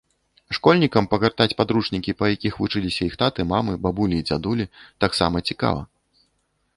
Школьнікам пагартаць падручнікі, па якіх вучыліся іх таты, мамы, бабулі і дзядулі, таксама цікава.